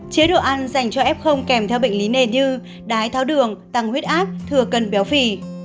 chế độ ăn dành cho f kèm theo bệnh lý nền như đái tháo đường tăng huyết áp thừa cân béo phì